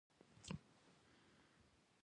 د بیان ازادي مهمه ده ځکه چې د سولې لپاره اړینه ده.